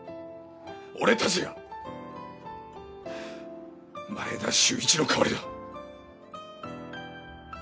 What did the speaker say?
俺たちが前田修一の代わりだ。